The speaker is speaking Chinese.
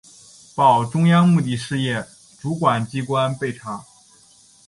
报中央目的事业主管机关备查